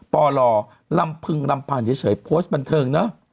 ปลลำพึงลำพันธ์เฉยโพสต์บันเทิงเนอะ